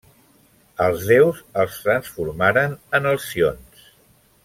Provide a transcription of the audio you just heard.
Els déus els transformaren en alcions.